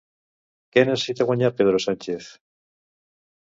Què necessita guanyar Pedro Sánchez?